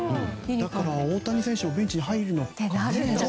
だから大谷選手もベンチに入るのかな。